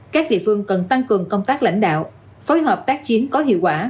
các địa phương cần tăng cường công tác lãnh đạo phối hợp tác chiến có hiệu quả